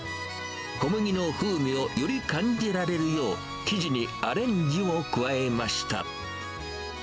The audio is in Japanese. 小麦の風味をより感じられるよう、生地にアレンジを加えました。